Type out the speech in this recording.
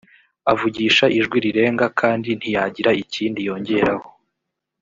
avugisha ijwi rirenga, kandi ntiyagira ikindi yongeraho;